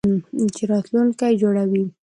چې راتلونکی جوړوي.